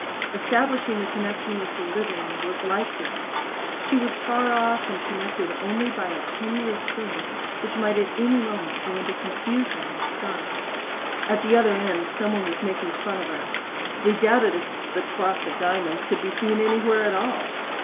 Establishing the connection with living was like this. She was far off and connected only by a tenuous thing which might any moment go into confusion and stop. At the other end some one was making fun of her. They doubted if "The Cross of Diamonds" could be seen anywhere at all.